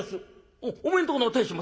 「おっお前んとこの亭主も」。